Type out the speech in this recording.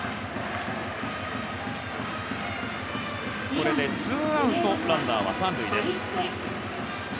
これでツーアウトランナーは３塁です。